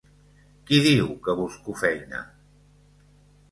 Qui diu que busco feina?